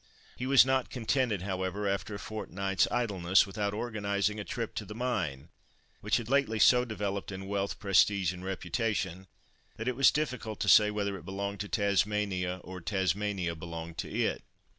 He was not contented, however, after a fortnight's "idlesse," without organising a trip to The Mine, which had lately so developed in wealth, prestige, and reputation, that it was difficult to say whether it belonged to Tasmania or Tasmania belonged to it.